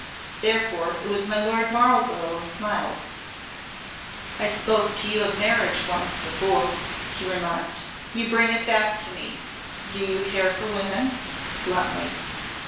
Therefore it was my Lord Marlborough smiled. "I spoke to you of marriage once before," he remarked. "You bring it back to me. Do you care for women?" bluntly.